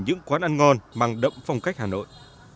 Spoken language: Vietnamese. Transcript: những quán ăn ngon mang đậm phong cách hà nội